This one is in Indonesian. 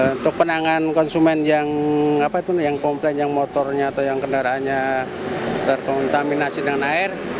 untuk penanganan konsumen yang komplain yang motornya atau yang kendaraannya terkontaminasi dengan air